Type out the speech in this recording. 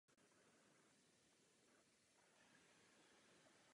Později se stal profesorem v Heidelbergu.